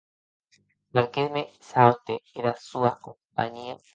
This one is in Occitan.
Perque me shaute era sua companhia?